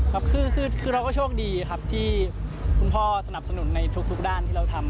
ครับคือเราก็โชคดีครับที่คุณพ่อสนับสนุนในทุกด้านที่เราทำ